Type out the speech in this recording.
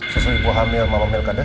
susu ibu hamil mama milk ada